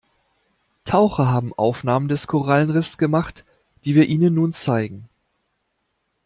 Taucher haben Aufnahmen des Korallenriffs gemacht, die wir Ihnen nun zeigen.